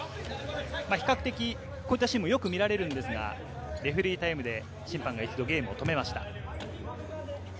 比較的こういったシーンもよく見られますが、レフェリータイムで審判が一度ゲームを止めました。